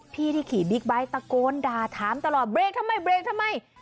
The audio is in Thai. พี่ที่ขี่บิ๊กไบท์ตะโกนด่าถามตลอดเบรกทำไมเบรกทำไม